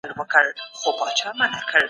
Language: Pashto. قصاص د انسانانو د ژوند ضامن دی.